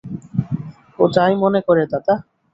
ও তাই মনে করে দাদা।